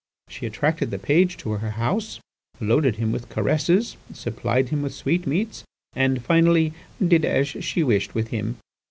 She attracted the page to her house, loaded him with caresses, supplied him with sweetmeats and finally did as she wished with him.